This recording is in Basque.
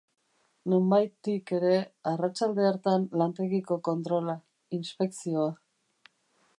Nonbaitik ere, arratsalde hartan lantegiko kontrola, inspekzioa.